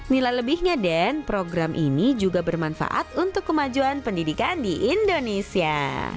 nilai lebihnya den program ini juga bermanfaat untuk kemajuan pendidikan di indonesia